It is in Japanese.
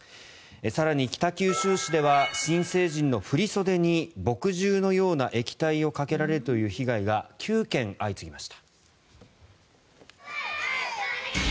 更に北九州市では新成人の振り袖に墨汁のような液体をかけられるという被害が９件相次ぎました。